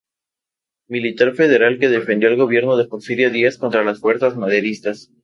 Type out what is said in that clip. Militar Federal que defendió al Gobierno de Porfirio Díaz contra las fuerzas maderistas.